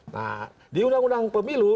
nah di undang undang pemilu